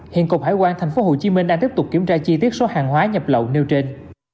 hiện cục hải quan tp hcm đang tiếp tục kiểm tra chi tiết số hàng hóa nhập lậu nêu trên